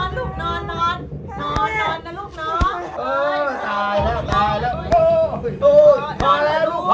ตายแล้วพอแล้ว